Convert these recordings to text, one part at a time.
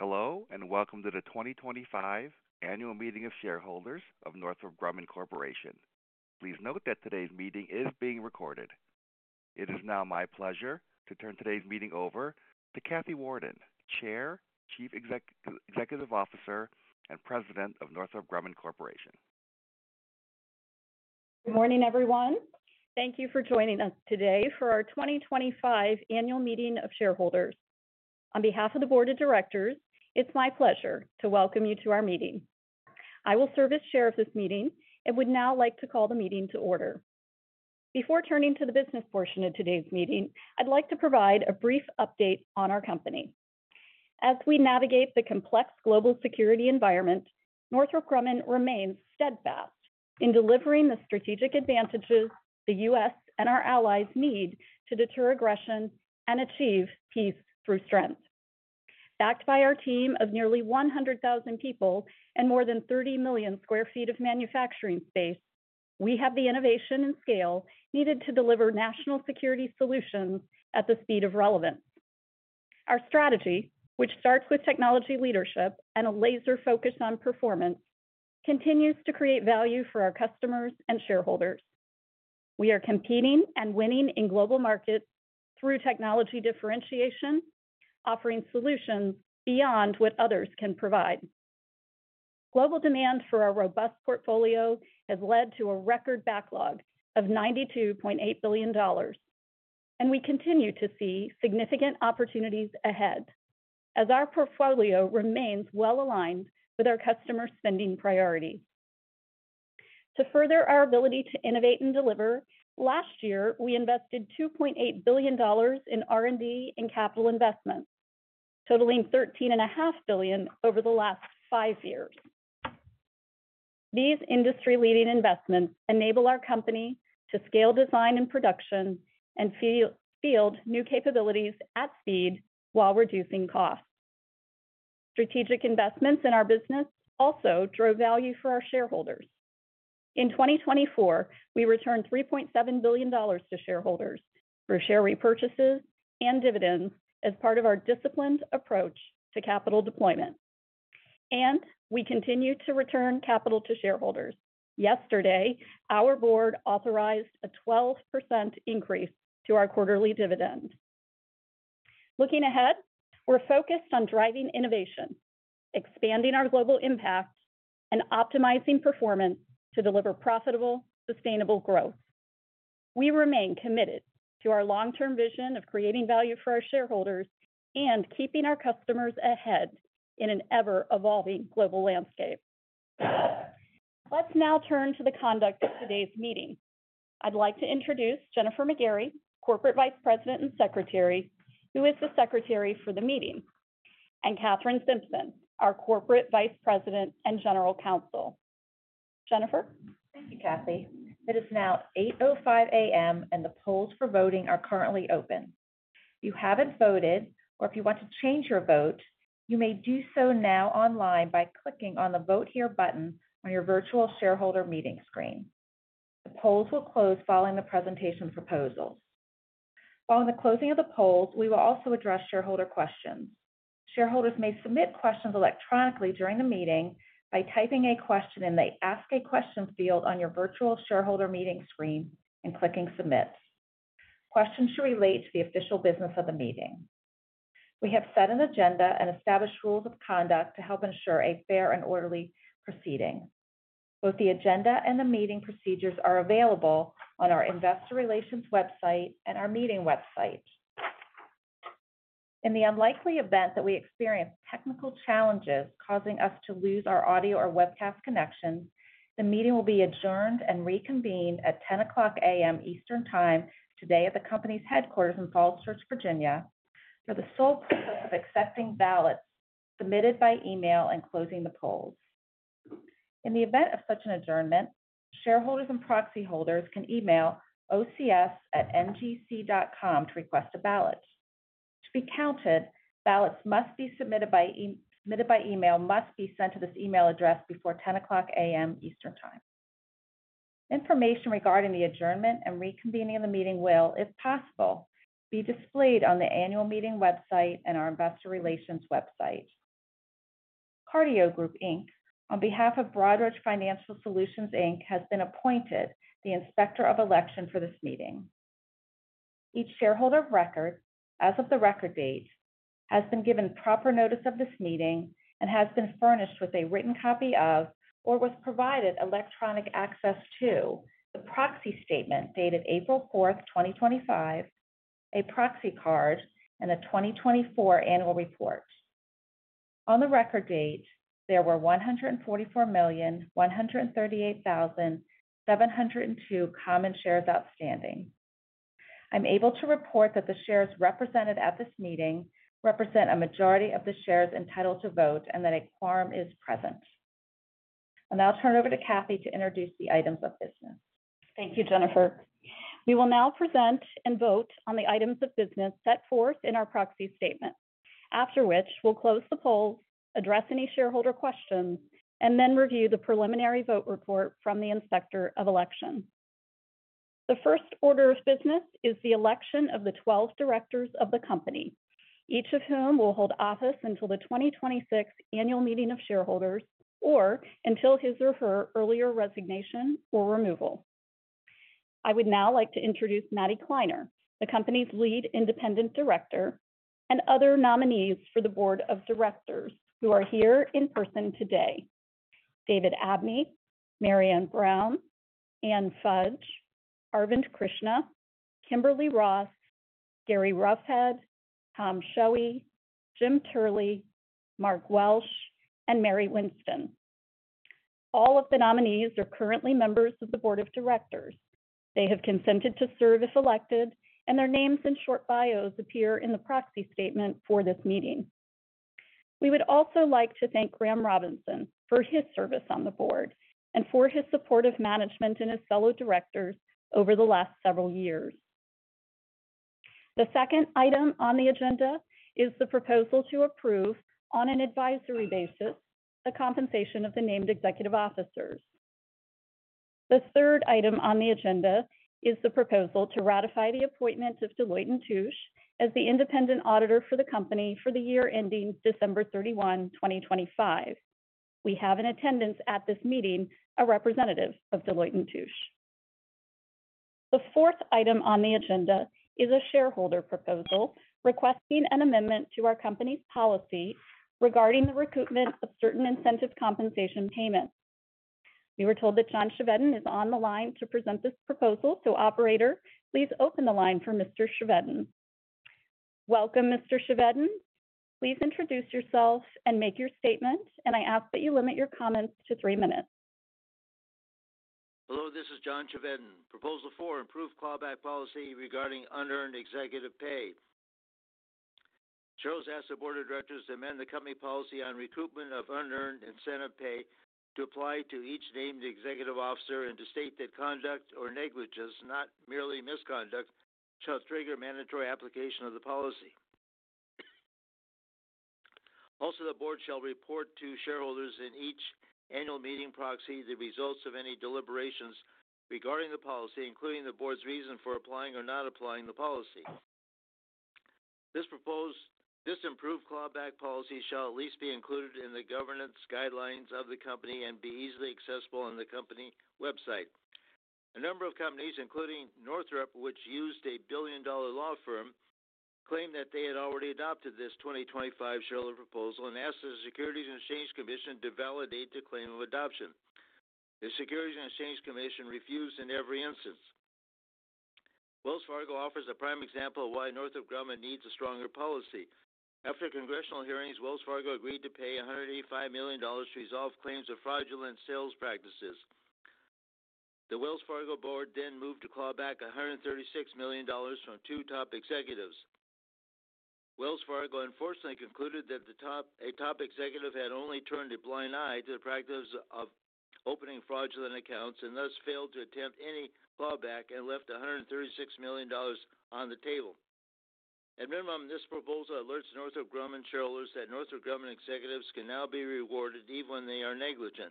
Hello, and welcome to the 2025 Annual Meeting of Shareholders of Northrop Grumman Corporation. Please note that today's meeting is being recorded. It is now my pleasure to turn today's meeting over to Kathy Warden, Chair, Chief Executive Officer, and President of Northrop Grumman Corporation. Good morning, everyone. Thank you for joining us today for our 2025 Annual Meeting of Shareholders. On behalf of the Board of Directors, it's my pleasure to welcome you to our meeting. I will serve as Chair of this meeting and would now like to call the meeting to order. Before turning to the business portion of today's meeting, I'd like to provide a brief update on our company. As we navigate the complex global security environment, Northrop Grumman remains steadfast in delivering the strategic advantages the U.S. and our allies need to deter aggression and achieve peace through strength. Backed by our team of nearly 100,000 people and more than 30 million sq ft of manufacturing space, we have the innovation and scale needed to deliver national security solutions at the speed of relevance. Our strategy, which starts with technology leadership and a laser focus on performance, continues to create value for our customers and shareholders. We are competing and winning in global markets through technology differentiation, offering solutions beyond what others can provide. Global demand for our robust portfolio has led to a record backlog of $92.8 billion, and we continue to see significant opportunities ahead as our portfolio remains well aligned with our customer spending priorities. To further our ability to innovate and deliver, last year we invested $2.8 billion in R&D and capital investments, totaling $13.5 billion over the last five years. These industry-leading investments enable our company to scale design and production and field new capabilities at speed while reducing costs. Strategic investments in our business also drove value for our shareholders. In 2024, we returned $3.7 billion to shareholders through share repurchases and dividends as part of our disciplined approach to capital deployment, and we continue to return capital to shareholders. Yesterday, our board authorized a 12% increase to our quarterly dividend. Looking ahead, we're focused on driving innovation, expanding our global impact, and optimizing performance to deliver profitable, sustainable growth. We remain committed to our long-term vision of creating value for our shareholders and keeping our customers ahead in an ever-evolving global landscape. Let's now turn to the conduct of today's meeting. I'd like to introduce Jennifer McGarry, Corporate Vice President and Secretary, who is the Secretary for the meeting, and Kathryn Simpson, our Corporate Vice President and General Counsel. Jennifer? Thank you, Kathy. It is now 8:05 A.M., and the polls for voting are currently open. If you haven't voted, or if you want to change your vote, you may do so now online by clicking on the Vote Here button on your virtual shareholder meeting screen. The polls will close following the presentation proposals. Following the closing of the polls, we will also address shareholder questions. Shareholders may submit questions electronically during the meeting by typing a question in the Ask a Question field on your virtual shareholder meeting screen and clicking Submit. Questions should relate to the official business of the meeting. We have set an agenda and established rules of conduct to help ensure a fair and orderly proceeding. Both the agenda and the meeting procedures are available on our investor relations website and our meeting website. In the unlikely event that we experience technical challenges causing us to lose our audio or webcast connections, the meeting will be adjourned and reconvened at 10:00 A.M. Eastern Time today at the company's headquarters in Falls Church, Virginia, for the sole purpose of accepting ballots submitted by email and closing the polls. In the event of such an adjournment, shareholders and proxy holders can email ocs@ngc.com to request a ballot. To be counted, ballots must be submitted by email to this email address before 10:00 A.M. Eastern Time. Information regarding the adjournment and reconvening of the meeting will, if possible, be displayed on the annual meeting website and our investor relations website. Broadridge Financial Solutions Inc has been appointed the Inspector of Election for this meeting. Each shareholder of record, as of the record date, has been given proper notice of this meeting and has been furnished with a written copy of, or was provided electronic access to, the proxy statement dated April 4, 2025, a proxy card, and a 2024 Annual Report. On the record date, there were 144,138,702 common shares outstanding. I'm able to report that the shares represented at this meeting represent a majority of the shares entitled to vote and that a quorum is present. I'll turn it over to Kathy to introduce the items of business. Thank you, Jennifer. We will now present and vote on the items of business set forth in our proxy statement, after which we'll close the polls, address any shareholder questions, and then review the preliminary vote report from the Inspector of Election. The first order of business is the election of the 12 directors of the company, each of whom will hold office until the 2026 Annual Meeting of Shareholders or until his or her earlier resignation or removal. I would now like to introduce Maddie Kleiner, the company's lead independent director, and other nominees for the board of directors who are here in person today: David Abney, Marianne Brown, Ann Fudge, Arvind Krishna, Kimberly Ross, Gary Roughead, Tom Schoewe, Jim Turley, Mark Welsh, and Mary Winston. All of the nominees are currently members of the board of directors. They have consented to serve if elected, and their names and short bios appear in the proxy statement for this meeting. We would also like to thank Graham Robinson for his service on the board and for his support of management and his fellow directors over the last several years. The second item on the agenda is the proposal to approve, on an advisory basis, the compensation of the named executive officers. The third item on the agenda is the proposal to ratify the appointment of Deloitte & Touche as the independent auditor for the company for the year ending December 31, 2025. We have in attendance at this meeting a representative of Deloitte & Touche. The fourth item on the agenda is a shareholder proposal requesting an amendment to our company's policy regarding the recoupment of certain incentive compensation payments. We were told that John Chevedden is on the line to present this proposal, so Operator, please open the line for Mr. Chevedden. Welcome, Mr. Chevedden. Please introduce yourself and make your statement, and I ask that you limit your comments to three minutes. Hello, this is John Chevedden. Proposal four: improve clawback policy regarding unearned executive pay. [Schols] asked the board of directors to amend the company policy on recoupment of unearned incentive pay to apply to each named executive officer and to state that conduct or negligence, not merely misconduct, shall trigger mandatory application of the policy. Also, the board shall report to shareholders in each annual meeting proxy the results of any deliberations regarding the policy, including the board's reason for applying or not applying the policy. This improved clawback policy shall at least be included in the governance guidelines of the company and be easily accessible on the company website. A number of companies, including Northrop, which used a billion-dollar law firm, claimed that they had already adopted this 2025 shareholder proposal and asked the Securities and Exchange Commission to validate the claim of adoption. The Securities and Exchange Commission refused in every instance. Wells Fargo offers a prime example of why Northrop Grumman needs a stronger policy. After congressional hearings, Wells Fargo agreed to pay $185 million to resolve claims of fraudulent sales practices. The Wells Fargo board then moved to claw back $136 million from two top executives. Wells Fargo unfortunately concluded that a top executive had only turned a blind eye to the practice of opening fraudulent accounts and thus failed to attempt any clawback and left $136 million on the table. At minimum, this proposal alerts Northrop Grumman shareholders that Northrop Grumman executives can now be rewarded even when they are negligent.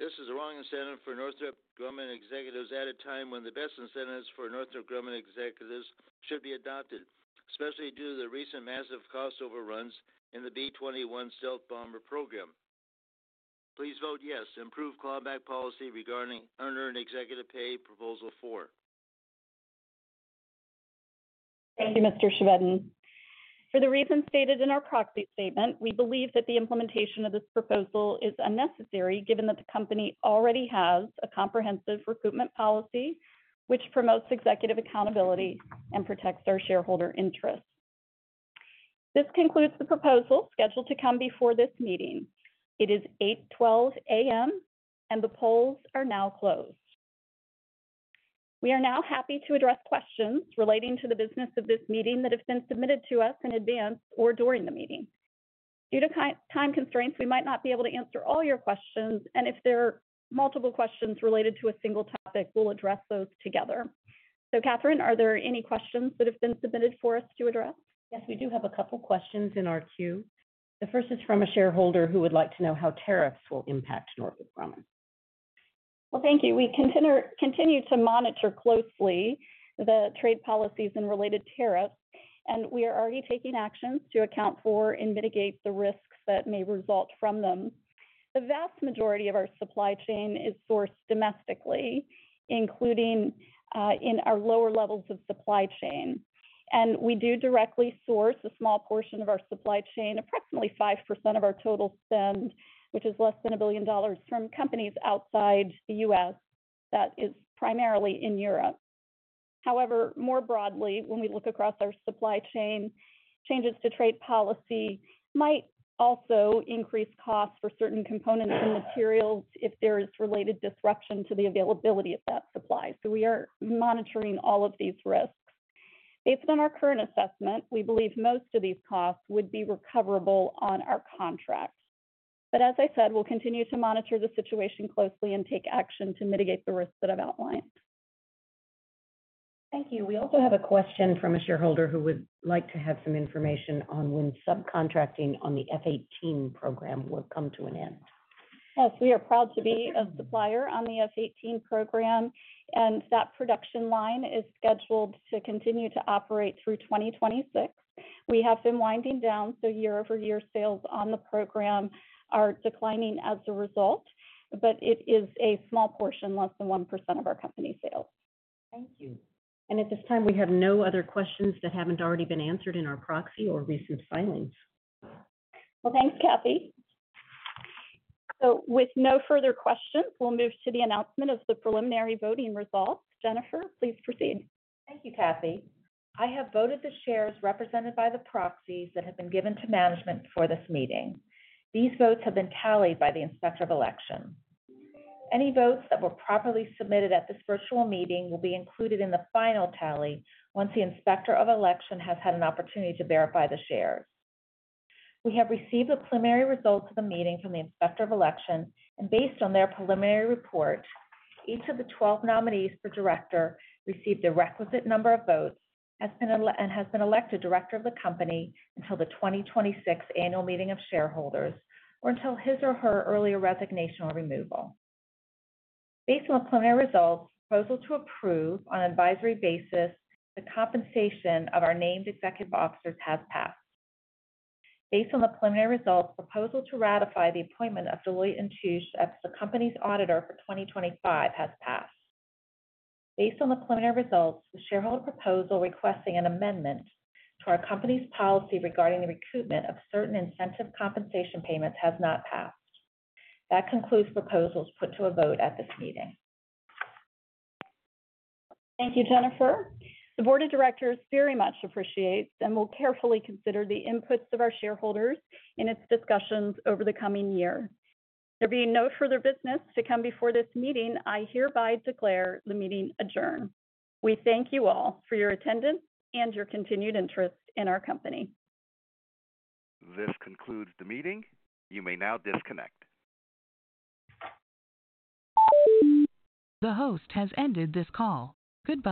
This is a wrong incentive for Northrop Grumman executives at a time when the best incentives for Northrop Grumman executives should be adopted, especially due to the recent massive cost overruns in the B-21 stealth bomber program. Please vote yes, improve clawback policy regarding unearned executive pay proposal four. Thank you, Mr. Chevedden. For the reasons stated in our proxy statement, we believe that the implementation of this proposal is unnecessary given that the company already has a comprehensive recoupment policy which promotes executive accountability and protects our shareholder interests. This concludes the proposal scheduled to come before this meeting. It is 8:12 A.M., and the polls are now closed. We are now happy to address questions relating to the business of this meeting that have been submitted to us in advance or during the meeting. Due to time constraints, we might not be able to answer all your questions, and if there are multiple questions related to a single topic, we'll address those together. Kathryn, are there any questions that have been submitted for us to address? Yes, we do have a couple of questions in our queue. The first is from a shareholder who would like to know how tariffs will impact Northrop Grumman. Thank you. We continue to monitor closely the trade policies and related tariffs, and we are already taking actions to account for and mitigate the risks that may result from them. The vast majority of our supply chain is sourced domestically, including in our lower levels of supply chain, and we do directly source a small portion of our supply chain, approximately 5% of our total spend, which is less than $1 billion from companies outside the U.S. That is primarily in Europe. However, more broadly, when we look across our supply chain, changes to trade policy might also increase costs for certain components and materials if there is related disruption to the availability of that supply. We are monitoring all of these risks. Based on our current assessment, we believe most of these costs would be recoverable on our contract. As I said, we'll continue to monitor the situation closely and take action to mitigate the risks that I've outlined. Thank you. We also have a question from a shareholder who would like to have some information on when subcontracting on the F-18 program will come to an end. Yes, we are proud to be a supplier on the F-18 program, and that production line is scheduled to continue to operate through 2026. We have been winding down, so year-over-year sales on the program are declining as a result, but it is a small portion, less than 1% of our company sales. Thank you. At this time, we have no other questions that have not already been answered in our proxy or recent filings. Thanks, Kathy. With no further questions, we'll move to the announcement of the preliminary voting results. Jennifer, please proceed. Thank you, Kathy. I have voted the shares represented by the proxies that have been given to management for this meeting. These votes have been tallied by the Inspector of Election. Any votes that were properly submitted at this virtual meeting will be included in the final tally once the Inspector of Election has had an opportunity to verify the shares. We have received the preliminary results of the meeting from the Inspector of Election, and based on their preliminary report, each of the 12 nominees for director received the requisite number of votes and has been elected director of the company until the 2026 Annual Meeting of Shareholders or until his or her earlier resignation or removal. Based on the preliminary results, proposal to approve on an advisory basis the compensation of our named executive officers has passed. Based on the preliminary results, proposal to ratify the appointment of Deloitte & Touche as the company's auditor for 2025 has passed. Based on the preliminary results, the shareholder proposal requesting an amendment to our company's policy regarding the recoupment of certain incentive compensation payments has not passed. That concludes proposals put to a vote at this meeting. Thank you, Jennifer. The Board of Directors very much appreciates and will carefully consider the inputs of our shareholders in its discussions over the coming year. There being no further business to come before this meeting, I hereby declare the meeting adjourned. We thank you all for your attendance and your continued interest in our company. This concludes the meeting. You may now disconnect. The host has ended this call. Goodbye.